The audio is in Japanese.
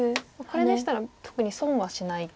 これでしたら特に損はしない。